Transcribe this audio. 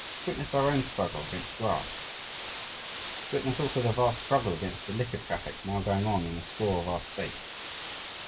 Witness our own struggle against graft. Witness also the vast struggle against the liquor traffic now going on in a score of our states.